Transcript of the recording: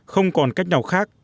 không còn cách nào khác